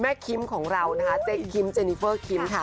คิมของเรานะคะเจ๊คิมเจนิเฟอร์คิมค่ะ